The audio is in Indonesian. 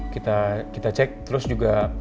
kita cek terus juga